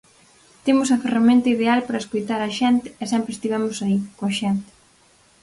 Temos a ferramenta ideal para escoitar a xente e sempre estivemos aí, coa xente.